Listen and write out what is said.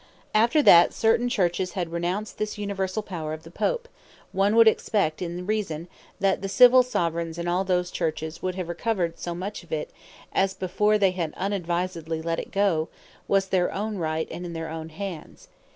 After that certain Churches had renounced this universall Power of the Pope, one would expect in reason, that the Civill Soveraigns in all those Churches, should have recovered so much of it, as (before they had unadvisedly let it goe) was their own Right, and in their own hands.